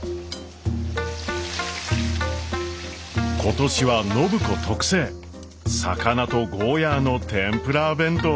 今年は暢子特製魚とゴーヤーのてんぷら弁当です。